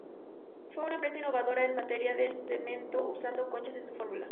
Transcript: Fue una empresa innovadora en materia de cemento usando conchas en su fórmula.